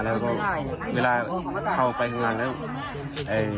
แล้วก็เวลาเข้าไปงานแล้ว